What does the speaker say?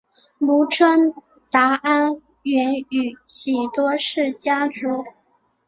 户川达安原宇喜多氏家臣。